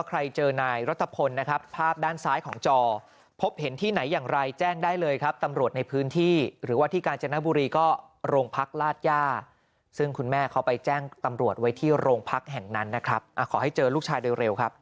แค่หายไปคืนหนึ่งก็ใจจะขาดอยู่แล้วเนี่ย